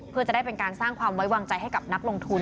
เพื่อจะได้เป็นการสร้างความไว้วางใจให้กับนักลงทุน